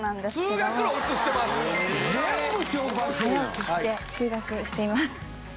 早起きして通学しています。